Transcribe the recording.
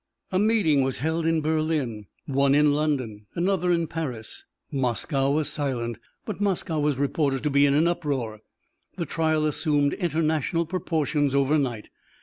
A meeting was held in Berlin, one in London, another in Paris. Moscow was silent, but Moscow was reported to be in an uproar. The trial assumed international proportions overnight.